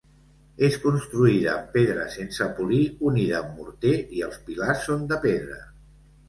És construïda amb pedra sense polir unida amb morter i els pilars són de pedra.